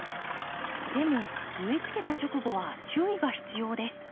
でも植えつけた直後は注意が必要です。